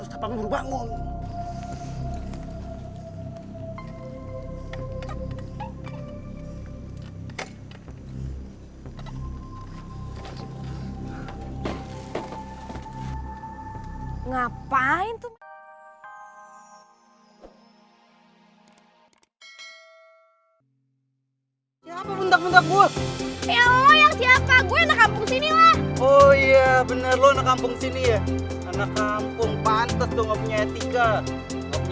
cepet terus kapan buru bangun